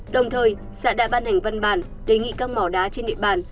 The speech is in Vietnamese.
đồng thời xã đại ban hành văn bàn đề nghị các mỏ đá trên địa bàn